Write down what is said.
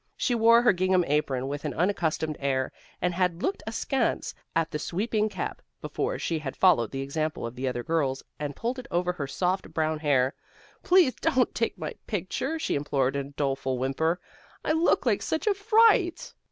She wore her gingham apron with an unaccustomed air, and had looked askance at the sweeping cap, before she had followed the example of the other girls, and pulled it over her soft, brown hair. "Please don't take my picture," she implored in a doleful whimper. "I look like such a fright."